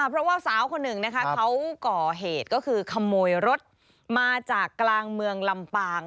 เพราะว่าสาวคนหนึ่งนะคะเขาก่อเหตุก็คือขโมยรถมาจากกลางเมืองลำปาง